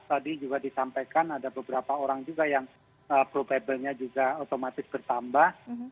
tadi juga disampaikan ada beberapa orang juga yang probable nya juga otomatis bertambah